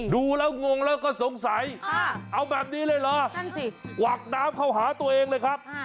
ดูแล้วงงแล้วก็สงสัยเอาแบบนี้เลยเหรอนั่นสิกวักน้ำเข้าหาตัวเองเลยครับ